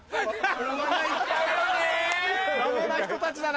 ダメな人たちだな。